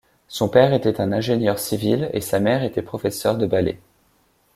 Son père était un ingénieur civil et sa mère était professeur de ballet.